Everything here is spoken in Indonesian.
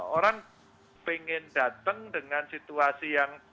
orang pengen datang dengan situasi yang